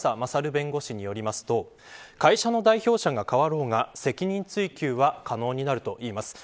弁護士によると会社の代表者が替わろうが責任追及は可能になるといいます。